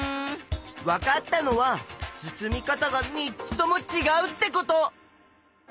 わかったのは進み方が３つともちがうってこと。